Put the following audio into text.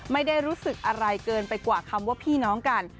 ไม่ได้รู้สึกอะไรเกินไปกว่าคำว่าพี่น้องกัน